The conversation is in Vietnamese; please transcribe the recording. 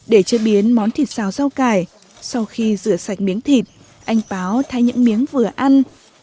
để chế biến món thịt xào rau cải sau khi rửa sạch miếng thịt anh báo thay những miếng vừa ăn